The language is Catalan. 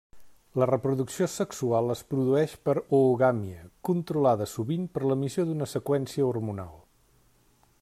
La reproducció sexual es produeix per oogàmia, controlada sovint per l'emissió d'una seqüència hormonal.